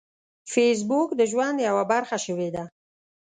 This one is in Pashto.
فېسبوک د ژوند یوه برخه شوې ده